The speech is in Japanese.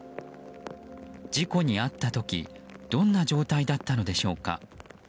事故に遭った時どんな状態だったのでしょうか。